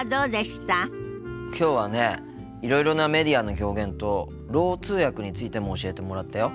きょうはねいろいろなメディアの表現とろう通訳についても教えてもらったよ。